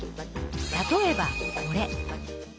例えばこれ。